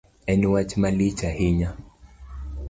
En wach malich ahinya